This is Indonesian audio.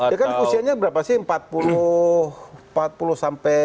ya kan usianya berapa sih empat puluh sampai dua puluh tahun